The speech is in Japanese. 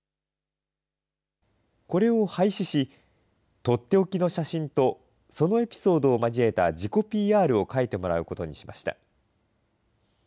これを廃止し、取って置きの写真と、そのエピソードを交えた自己ＰＲを書いてもらうことにしました。